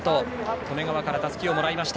利根川からたすきをもらった。